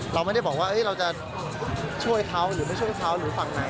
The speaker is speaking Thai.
เราไม่ได้บอกว่าเราจะช่วยเขาหรือไม่ช่วยเขาหรือฝั่งไหน